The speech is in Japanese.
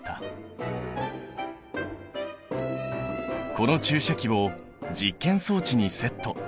この注射器を実験装置にセット。